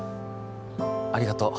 ありがとう